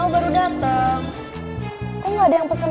belum ada yang pesen